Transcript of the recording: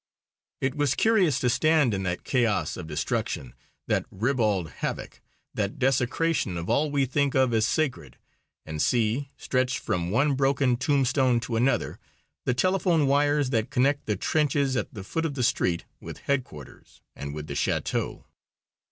It was curious to stand in that chaos of destruction, that ribald havoc, that desecration of all we think of as sacred, and see, stretched from one broken tombstone to another, the telephone wires that connect the trenches at the foot of the street with headquarters and with the "château."